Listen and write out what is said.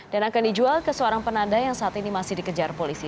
dan akan dijual ke seorang penanda yang saat ini masih dikejar polisi